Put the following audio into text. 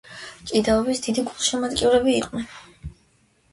ჭიდაობის დიდი გულშემატკივრები იყვნენ.